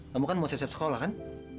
kamu kan mau siap siap sekolah kan